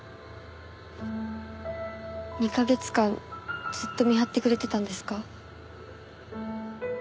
２カ月間ずっと見張ってくれてたんですか？